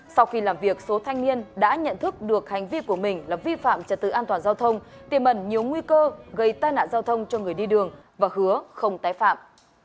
sau khi làm việc số thanh niên đã nhận thức được hành vi của mình là vi phạm trật tự an toàn giao thông tiêm ẩn nhiều nguy cơ gây tai nạn giao thông cho người đi đường và hứa không tái phạm